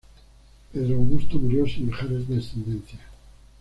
Pedro Augusto murió sin dejar descendencia.